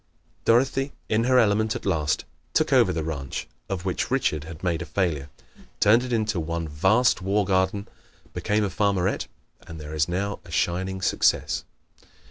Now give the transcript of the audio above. Dorothy, in her element at last, took over the ranch (of which Richard had made a failure), turned it into one vast war garden, became a farmerette and is there now a shining success.